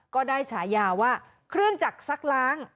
ก็ได้ฉายาว่าเครื่องจักรซักล้าง